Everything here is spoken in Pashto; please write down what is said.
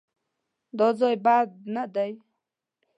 _دا ځای بد نه دی.